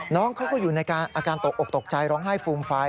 น้องเขาก็อยู่ในอาการตกอกตกใจร้องไห้ฟูมฟาย